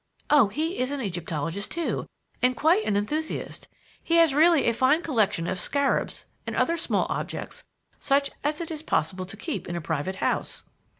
"Oh, he is an Egyptologist too, and quite an enthusiast. He has really a fine collection of scarabs and other small objects such as it is possible to keep in a private house.